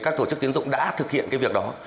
các tổ chức tiến dụng đã thực hiện cái việc đó